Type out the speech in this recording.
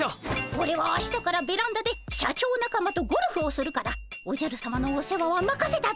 オレは明日からベランダで社長仲間とゴルフをするからおじゃるさまのお世話はまかせたぞ。